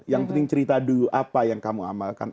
yang penting cerita dulu apa yang kamu amalkan